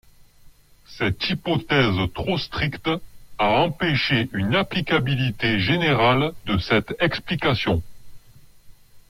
Cette hypothèse trop stricte a empêché une applicabilité générale de cette explication.